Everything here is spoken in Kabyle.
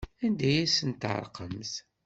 Anda ay asen-terqamt?